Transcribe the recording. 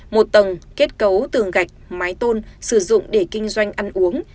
một tầng kết cấu tường gạch mái tôn sử dụng để kinh doanh ăn uống